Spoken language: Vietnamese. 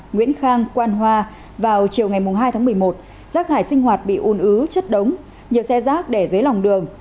nguyễn khang quan hoa vào chiều ngày hai tháng một mươi một rác thải sinh hoạt bị un ứ chất đống nhiều xe rác để dưới lòng đường